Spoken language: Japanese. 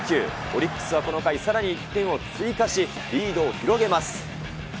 オリックスはこの回さらに１点を追加し、リードを広げます。